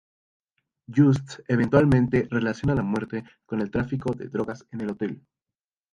Just eventualmente relaciona la muerte con el tráfico de drogas en el hotel.